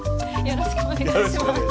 よろしくお願いします。